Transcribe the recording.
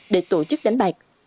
để tổ chức đánh bạc